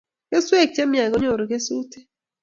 keswek chemiach konyoru kesutik